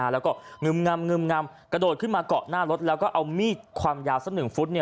แล้วก็งึมงำกระโดดขึ้นมาเกาะหน้ารถแล้วก็เอามีดความยาวสัก๑ฟุต